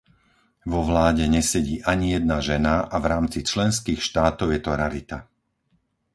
Vo vláde nesedí ani jedna žena a v rámci členských štátov je to rarita.